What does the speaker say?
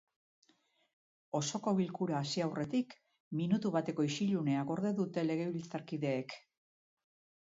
Osoko bilkura hasi aurretik, minutu bateko isilunea gorde dute legebiltzarkideek.